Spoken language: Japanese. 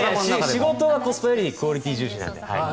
仕事ではコスパよりクオリティー重視なので。